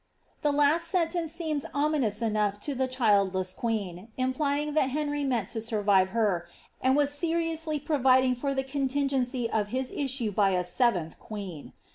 * The last sentence seems ominous enough to the childless queen, im plying that Henry meant to survive her, and was seriously providing for the contingency of his issue by a seventh queen.